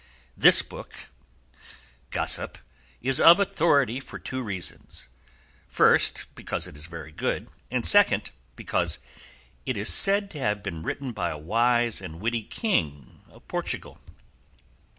This book, gossip, is of authority for two reasons, first because it is very good, and secondly because it is said to have been written by a wise and witty king of Portugal.